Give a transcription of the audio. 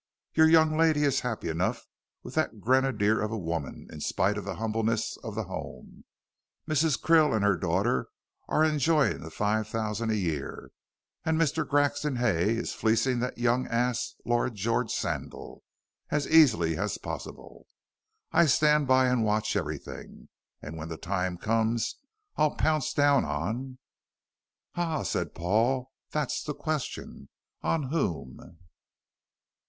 Your young lady is happy enough with that grenadier of a woman in spite of the humbleness of the home. Mrs. Krill and her daughter are enjoying the five thousand a year, and Mr. Grexon Hay is fleecing that young ass, Lord George Sandal, as easily as possible. I stand by and watch everything. When the time comes I'll pounce down on " "Ah," said Paul, "that's the question. On whom?"